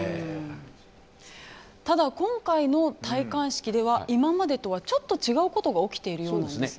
ただ今回の戴冠式では今までとはちょっと違うことが起きているようなんですね。